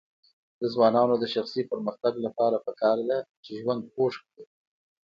د ځوانانو د شخصي پرمختګ لپاره پکار ده چې ژوند خوږ کړي.